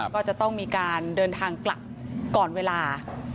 ก็จะต้องมีการเดินทางกลับก่อนเวลา